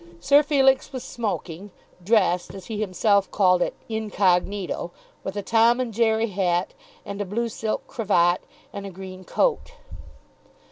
Sir Felix was smoking, dressed, as he himself called it, "incognito," with a Tom and Jerry hat, and a blue silk cravat, and a green coat.